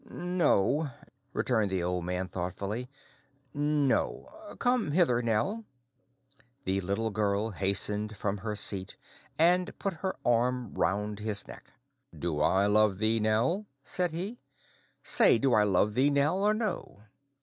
"No," returned the old man thoughtfully, "no.—Come hither, Nell." The little girl hastened from her seat, and put her arm round his neck. "Do I love thee, Nell?" said he. "Say, do I love thee, Nell, or no?"